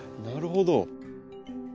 なるほど。